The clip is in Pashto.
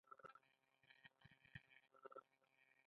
ایا لاره مو سمه نه شئ تللی؟